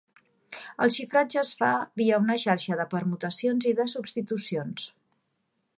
El xifratge es fa via una xarxa de permutacions i de substitucions.